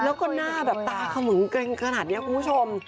แล้วก็หน้าแบบตาขมึงเกร็งขนาดนี้คุณผู้ชม